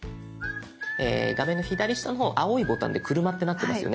画面の左下の方青いボタンで「車」ってなってますよね。